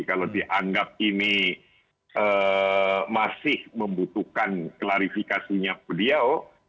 kalau dianggap ini masih membutuhkan klarifikasinya beliau